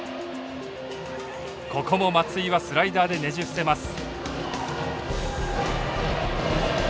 ここも松井はスライダーでねじ伏せます。